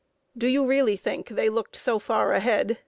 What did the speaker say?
"Do you really think they looked so far ahead?"